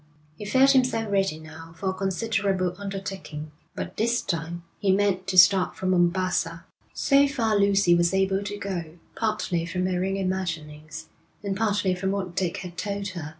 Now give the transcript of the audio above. He felt himself ready now for a considerable undertaking; but this time he meant to start from Mombassa. So far Lucy was able to go, partly from her own imaginings, and partly from what Dick had told her.